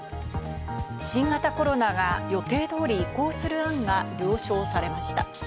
新型コロナが予定通り移行する案が了承されました。